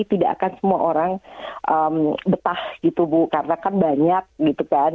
karena kan semua orang betah gitu ibu karena kan banyak gitu kan